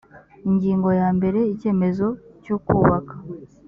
ingingo ya mbere icyemezo cyo kubaka